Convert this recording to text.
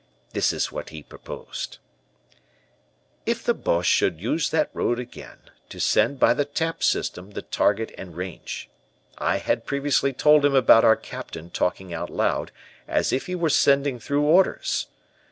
This is what he proposed: "If the Boches should use that road again, to send by the tap system the target and range. I had previously told him about our Captain talking out loud as if he were sending through orders.